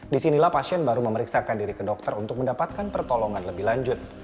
disinilah pasien baru memeriksakan diri ke dokter untuk mendapatkan pertolongan lebih lanjut